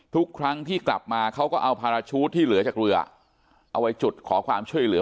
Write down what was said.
ทุกครั้งที่กลับมาเขาก็เอาพาราชูทที่เหลือจากเรือเอาไว้จุดขอความช่วยเหลือ